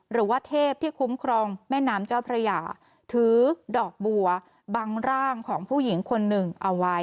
หรือว่าเทพที่คุ้มครองแม่น้ำเจ้าพระยาถือดอกบัวบังร่างของผู้หญิงคนหนึ่งเอาไว้